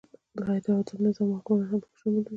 د غیر عادل نظام واکمنان هم پکې شامل وي.